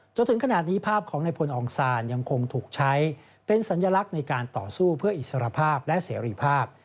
จนถึงขนาดนี้ภาพของนายพลองศาลยังคงถูกใช้เป็นสัญลักษณ์ในการต่อสู้เพื่ออิสรภาพและเสรีภาพ